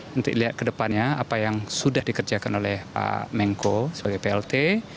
nanti dilihat ke depannya apa yang sudah dikerjakan oleh pak menko sebagai plt